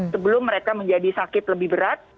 sebelum mereka menjadi sakit lebih berat